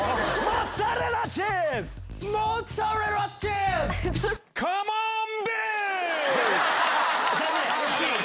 モッツァレラチーズ‼残念！